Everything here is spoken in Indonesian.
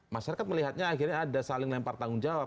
masyarakat melihatnya akhirnya ada saling lempar tanggung jawab